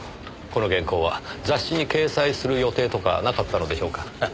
この原稿は雑誌に掲載する予定とかなかったのでしょうか？